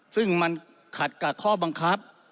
ซึ่งมันขัดกับข้อบังคับ